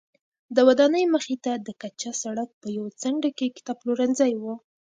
د ودانۍ مخې ته د کچه سړک په یوه څنډه کې کتابپلورځی و.